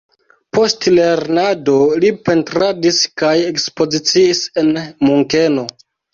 Post lernado li pentradis kaj ekspoziciis en Munkeno.